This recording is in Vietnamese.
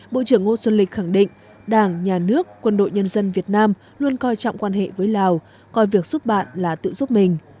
bộ trưởng ngô xuân lịch khẳng định đảng nhà nước quân đội nhân dân việt nam luôn coi trọng quan hệ với lào coi việc giúp bạn là tự giúp mình